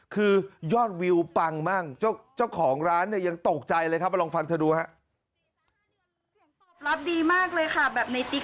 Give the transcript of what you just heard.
คือยอดวิวปังมากเจ้าของร้านเนี่ยยังตกใจเลยครับลองฟังเธอดูฮะ